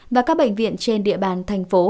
và các bệnh viện trên địa bàn thành phố